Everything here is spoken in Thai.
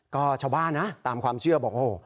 ก็ชาวบ้านนะตามความเชื่อบอกโอ้โห